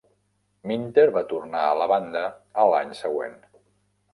Minter va tornar a la banda a l'any següent.